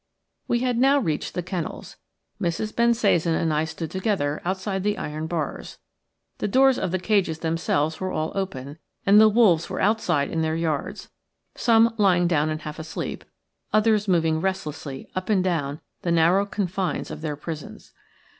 We had now reached the kennels. Mrs. Bensasan and I stood together outside the iron bars. The doors of the cages themselves were all open, and the wolves were outside in their yards: some lying down and half asleep, others moving restlessly up and down the narrow confines of their prisons.